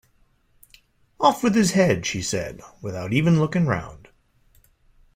‘Off with his head!’ she said, without even looking round.